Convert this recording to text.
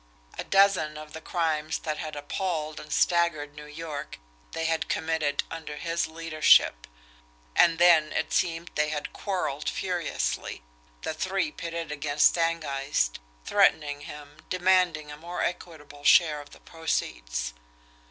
A dozen of the crimes that had appalled and staggered New York they had committed under his leadership; and then, it seemed, they had quarrelled furiously, the three pitted against Stangeist, threatening him, demanding a more equitable share of the proceeds.